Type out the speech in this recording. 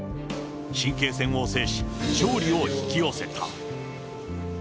神経戦を制し、勝利を引き寄せた。